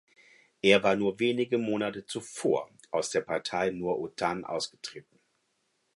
Er war nur wenige Monate zuvor aus der Partei Nur Otan ausgetreten.